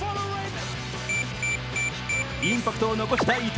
インパクトを残した伊東。